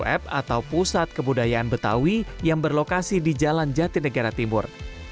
taman benyamin adalah sebuah pusat atau pusat kebudayaan betawi yang berlokasi di jalan jatinegara timur